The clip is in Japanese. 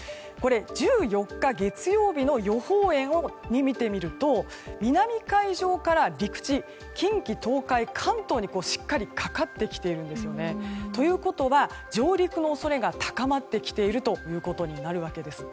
１４日、月曜日の予報円を見てみると南海上から陸地近畿、東海、関東にしっかりかかってきているんですね。ということは上陸の恐れが高まってきているということになるわけです。